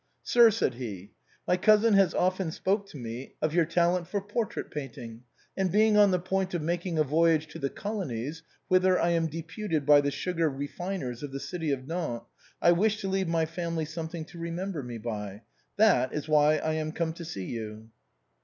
" Sir," said he, " my cousin has often spoken to me of your talent for portrait painting, and being on the point of making a voyage to the colonies, whither I am deputed by the sugar refiners of the city of Nantes, I wish to leave my family something to remember me by. That is why I am come to see you."